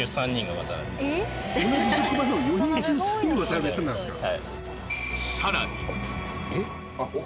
同じ職場の４人中３人渡辺さんなんですか？